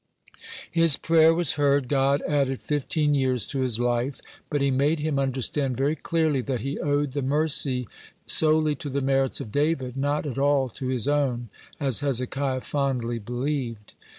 (76) His prayer was heard. God added fifteen years to his life, but He made him understand very clearly, that he owed the mercy solely to the merits of David, not at all to his own, as Hezekiah fondly believed.